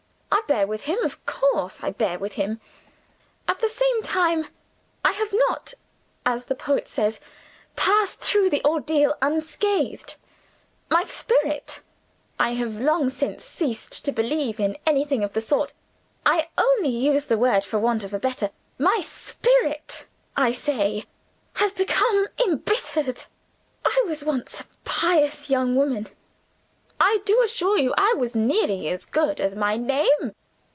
I bear with him. Of course, I bear with him. At the same time, I have not (as the poet says) 'passed through the ordeal unscathed.' My spirit I have long since ceased to believe in anything of the sort: I only use the word for want of a better my spirit, I say, has become embittered. I was once a pious young woman; I do assure you I was nearly as good as my name.